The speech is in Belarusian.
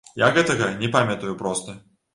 Я гэтага не памятаю проста.